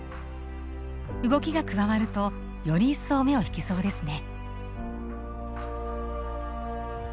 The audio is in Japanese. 動きが加わるとより一層目を引きそうですね。